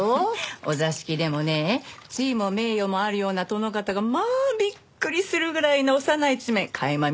お座敷でもね地位も名誉もあるような殿方がまあびっくりするぐらいの幼い一面垣間見せる事があるわ。